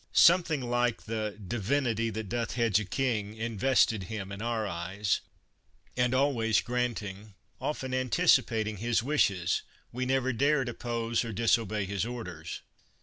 Something like the " Divinity that doth hedge a king " invested him in our eyes, and always granting, often antici pating, his wishes, we never dared oppose or disobey his orders.